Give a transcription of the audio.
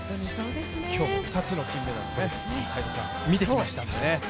今日も２つの金メダル、見てきましたからね。